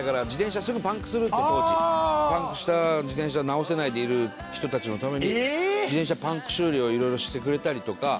パンクした自転車直せないでいる人たちのために自転車パンク修理をいろいろしてくれたりとか。